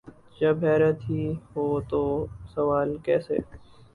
جب حیرت ہی نہ ہو تو سوال کیسے؟